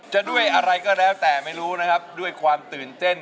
จะด้วยอะไรก็ได้แต่ไม่รู้ด้วยความตื่นเต้น